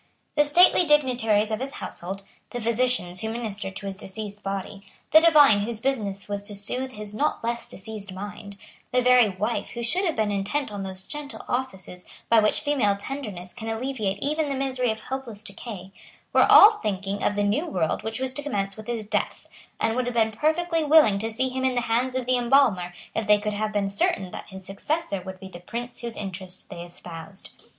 The stately dignitaries of his household, the physicians who ministered to his diseased body, the divines whose business was to soothe his not less diseased mind, the very wife who should have been intent on those gentle offices by which female tenderness can alleviate even the misery of hopeless decay, were all thinking of the new world which was to commence with his death, and would have been perfectly willing to see him in the hands of the embalmer if they could have been certain that his successor would be the prince whose interest they espoused.